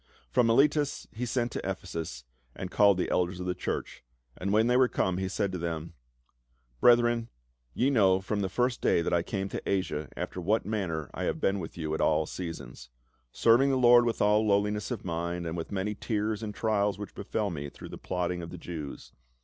From Miletus he sent to Ephesus, and called the elders of the church. And when they were come he said to them, " Brethren, ye know from the first day that I came to Asia, after what manner I have been with you at all seasons : serving the Lord with all lowliness of mind, and with many tears and trials which befell me through the plotting of the Jews.